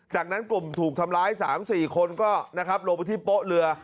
จากนั้นกลุ่มถูกทำร้าย๓๔คนก็นะครับลงไปที่โป๊ะเรือ